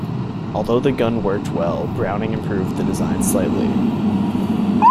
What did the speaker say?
Although the gun worked well, Browning improved the design slightly.